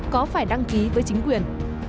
có phải đăng ký với chính quyền